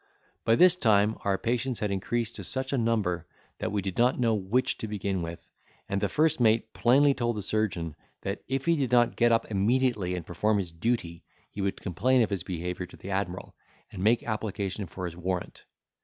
By this time, our patients had increased to such a number, that we did not know which to begin with; and the first mate plainly told the surgeon, that if he did not get up immediately and perform his duty, he would complain of his behaviour to the admiral, and make application for his warrant.